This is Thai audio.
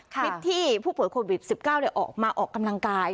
คลิปที่ผู้ป่วยโควิด๑๙ออกมาออกกำลังกาย